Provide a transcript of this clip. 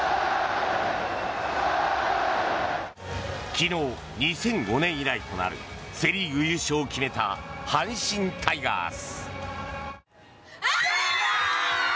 昨日、２００５年以来となるセ・リーグ優勝を決めた阪神タイガース。